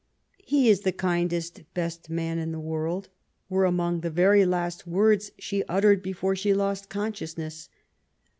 '* He is the kindest, best man in the world," were among the very last words she uttered before she lost consciousness.